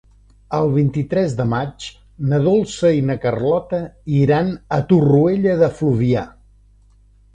El vint-i-tres de maig na Dolça i na Carlota iran a Torroella de Fluvià.